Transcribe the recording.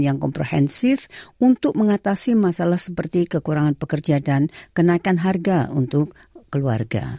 yang komprehensif untuk mengatasi masalah seperti kekurangan pekerja dan kenaikan harga untuk keluarga